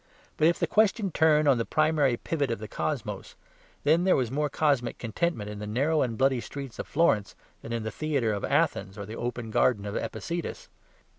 But if the question turn on the primary pivot of the cosmos, then there was more cosmic contentment in the narrow and bloody streets of Florence than in the theatre of Athens or the open garden of Epicurus.